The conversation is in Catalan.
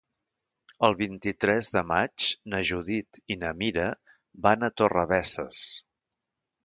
El vint-i-tres de maig na Judit i na Mira van a Torrebesses.